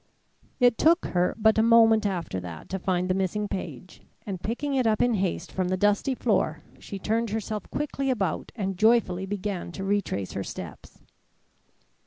It took her but a moment after that to find the missing page, and picking it up in haste from the dusty floor, she turned herself quickly about and joyfully began to retrace her steps.